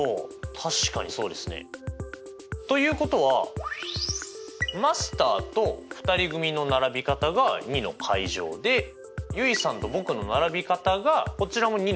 確かにそうですね。ということはマスターと２人組の並び方が２！で結衣さんと僕の並び方がこちらも２！